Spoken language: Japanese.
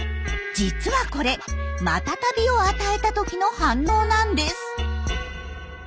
実はこれマタタビを与えた時の反応なんです。